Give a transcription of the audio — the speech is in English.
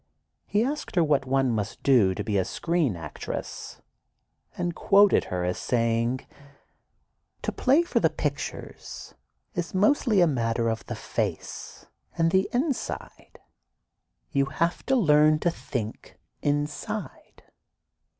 He asked her what one must do to be a screen actress, and quoted her as saying: "To play for the pictures is mostly a matter of the face, and the inside. You have to learn to think, inside."